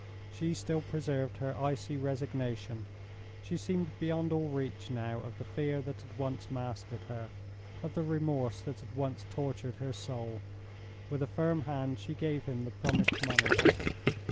She still preserved her icy resignation; she seemed beyond all reach now of the fear that had once mastered her, of the remorse that had once tortured her soul. With a firm hand she gave him the promised money.